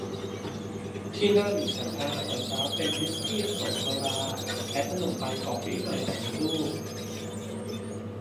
ที่นั่นฉันทานอาหารเช้าเป็นวิสกี้ผสมโซดาและขนมปังกรอบนิดหน่อยจากในตู้